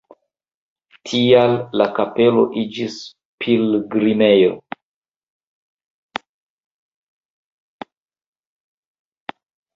Tial la kapelo iĝis pilgrimejo.